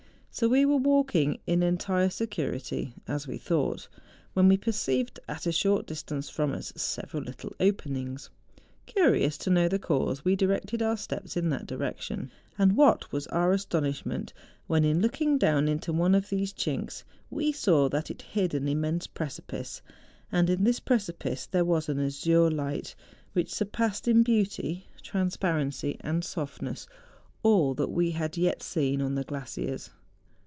So we were walking in entire security, as we thought, when we perceived, at a short distance from us, several little openings. Curious to know the cause, we directed our steps in that direction ; and what was our astonishment when in looking down into one of these chinks we saw that it hid an immense precipice. And in this precipice there was an azure light which surpassed in beauty, trans¬ parency, and softness, all that we had yet seen on the glaciers.